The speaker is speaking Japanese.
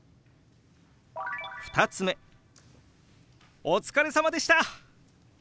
２つ目「お疲れさまでした！」。